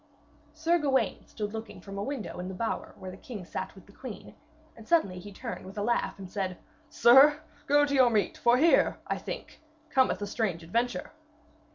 Sir Gawaine stood looking from a window in the bower where the king sat with the queen, and suddenly he turned with a laugh, and said: 'Sir, go to your meat, for here, I think, cometh a strange adventure.'